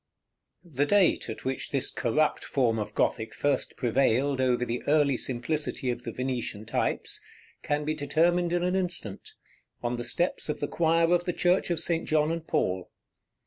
The date at which this corrupt form of Gothic first prevailed over the early simplicity of the Venetian types can be determined in an instant, on the steps of the choir of the Church of St. John and Paul.